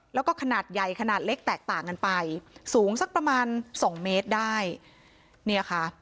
แล้วก็ขนาดใหญ่ขนาดเล็กแตกต่างกันไปสูงสักประมาณ๒เมตรได้